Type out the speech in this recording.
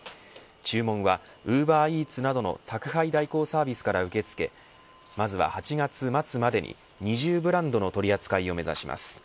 注文は、ウーバーイーツなどの宅配代行サービスから受け付けまずは８月末までに２０ブランドの扱いを目指します。